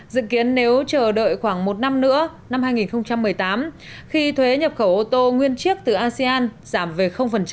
dự kiến nếu chờ đợi khoảng một năm nữa năm hai nghìn một mươi tám khi thuế nhập khẩu ô tô nguyên chiếc từ asean giảm về